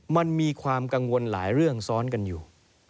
มันมีความกังวลหลายเรื่องซ้อนกันอยู่